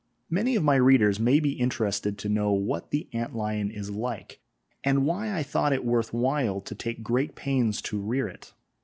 Many of my readers may be interested to know what the ant lion is like, and why I thought it worth while to take great pains to rear it.